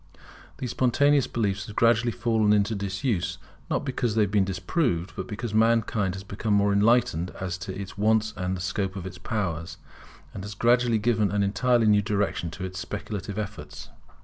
These spontaneous beliefs have gradually fallen into disuse, not because they have been disproved, but because mankind has become more enlightened as to its wants and the scope of its powers, and has gradually given an entirely new direction to its speculative efforts.